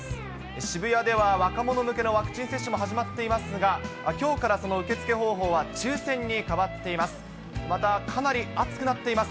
渋谷では若者向けのワクチン接種も始まっていますが、きょうからその受け付け方法は抽せんに変わっています。